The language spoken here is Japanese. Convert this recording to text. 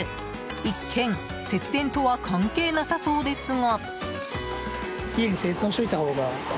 一見、節電とは関係なさそうですが。